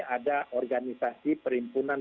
ada organisasi perimpunan